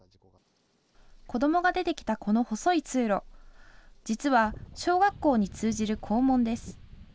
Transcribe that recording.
子どもが出て来たこの細い通路、実は小学校に通じる校門です。